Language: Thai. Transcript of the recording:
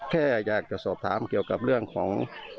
แค่อยากจะสอบถามเกี่ยวกับเรื่องของ